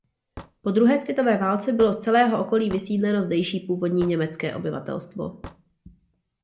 Po druhé světové válce bylo z celého okolí vysídleno zdejší původní německé obyvatelstvo.